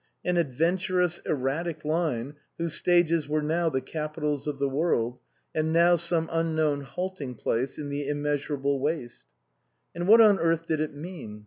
An adventurous, erratic line, whose stages were now the capitals of the world, and now some unknown halting place in the im measurable waste. And what on earth did it mean?